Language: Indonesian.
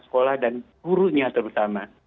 sekolah dan gurunya terutama